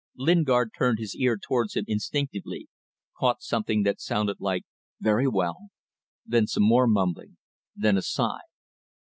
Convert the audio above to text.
Lingard turned his ear towards him instinctively, caught something that sounded like "Very well" then some more mumbling then a sigh.